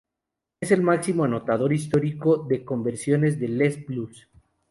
Es el máximo anotador histórico de conversiones de Les Blues.